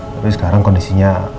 tapi sekarang kondisinya